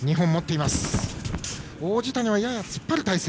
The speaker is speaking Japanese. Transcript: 王子谷はやや突っ張る体勢。